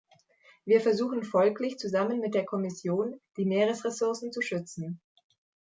Wir versuchen folglich zusammen mit der Kommission, die Meeresressourcen zu schützen.